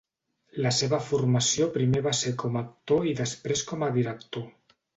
La seva formació primer va ser com a actor i després com a director.